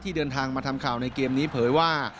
เดินทางมาทำข่าวในเกมนี้เผยว่า